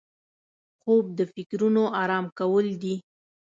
خوب د فکرونو آرام کول دي